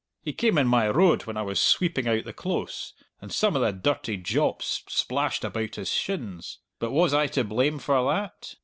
He came in my road when I was sweeping out the close, and some o' the dirty jaups splashed about his shins. But was I to blame for that?